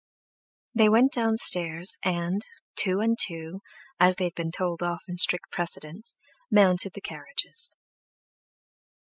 They went downstairs, and, two and two, as they had been told off in strict precedence, mounted the carriages.